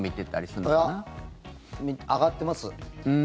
いや、上がってます。